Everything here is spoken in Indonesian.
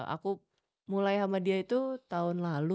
aku mulai sama dia itu tahun lalu